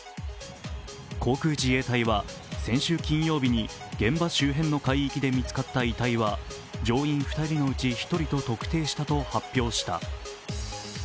航空自衛隊は、先週金曜日に現場周辺の海域で見つかった遺体は乗員２人のうち１人と特定したと発表した。